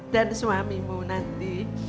dan suamimu nanti